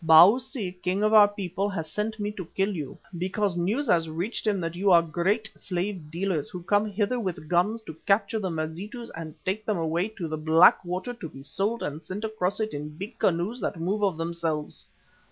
Bausi, king of our people, has sent me to kill you, because news has reached him that you are great slave dealers who come hither with guns to capture the Mazitus and take them away to the Black Water to be sold and sent across it in big canoes that move of themselves.